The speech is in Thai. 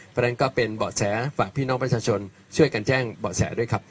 เพราะฉะนั้นก็เป็นเบาะแสฝากพี่น้องประชาชนช่วยกันแจ้งเบาะแสด้วยครับ